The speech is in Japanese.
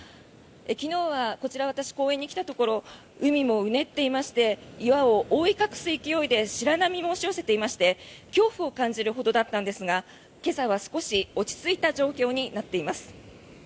昨日はこちら、私、公園に来たところ海もうねっていまして岩を覆い隠す勢いで白波も押し寄せていまして恐怖を感じるほどだったんですが今朝は少し落ち着いた状況になっています。